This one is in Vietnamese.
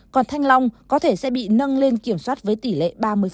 còn thanh long có thể sẽ bị nâng lên kiểm soát với tỷ lệ ba mươi